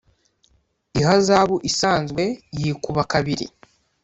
ihazabu isanzwe yikuba kabiri